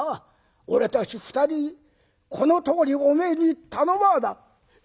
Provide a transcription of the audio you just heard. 俺たち２人このとおりおめえに頼まあだ」。